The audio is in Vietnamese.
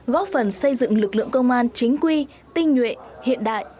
góp phần xây dựng lực lượng công an chính quy tinh nhuệ hiện đại